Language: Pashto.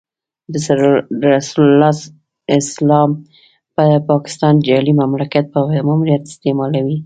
د رسول الله اسلام د پاکستان د جعلي مملکت په ماموریت استعمالېږي.